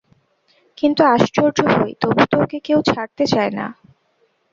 কিন্তু আশ্চর্য এই, তবু তো ওকে কেউ ছাড়তে চায় না।